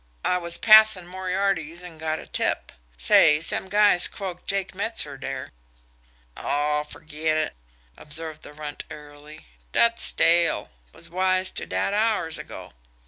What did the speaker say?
I was passin' Moriarty's an' got de tip. Say, some guy's croaked Jake Metzer dere." "Aw, ferget it!" observed the Runt airily. "Dat's stale. Was wise to dat hours ago."